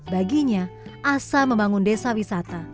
baginya asa membangun desa wisata